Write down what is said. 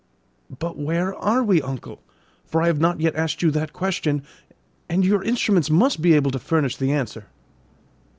"But where are we, uncle? for I have not yet asked you that question, and your instruments must be able to furnish the answer."